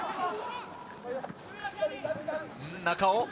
中尾。